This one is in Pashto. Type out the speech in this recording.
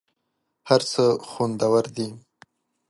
هر څه خوندور دي .